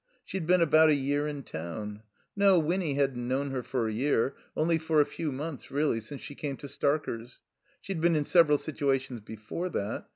She'd been about a year in town. No, Winny hadn't known her for a year. Only for a few months really, since she came to Starker's. She'd been in several situations before that.